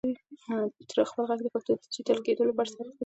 خپل ږغ د پښتو د ډیجیټل کېدو لپاره ثبت کړئ.